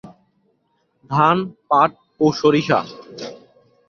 ধান, পাট, ও সরিষা।